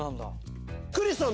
クリスさん